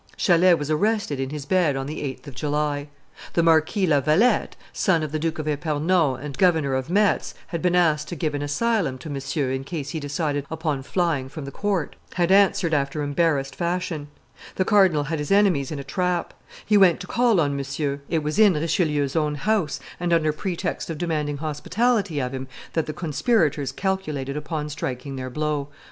Chalais was arrested in his bed on the 8th of July. The Marquis la Valette, son of the Duke of Epernon and governor or Metz had been asked to give an asylum to Monsieur in case he decided upon flying from the court, had answered after embarrassed fashion; the cardinal had his enemies in a trap He went to call on Monsieur; it was in Richelieu's own house, and under pretext of demanding hospitality of him, that the conspirators calculated upon striking their blow.